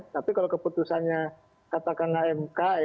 tapi kalau keputusannya katakan amk ya